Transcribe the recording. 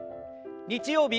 日曜日